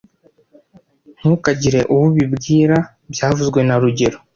Ntukagire uwo ubibwira byavuzwe na rugero